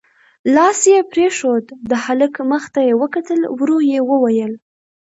لاس يې پرېښود، د هلک مخ ته يې وکتل، ورو يې وويل: